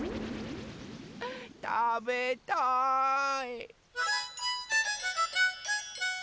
たべたい！